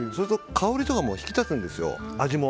香りとかも引き立つんですよ。